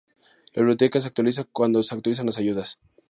La biblioteca se actualiza cuando se actualizan las ayudas.